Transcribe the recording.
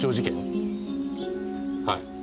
はい。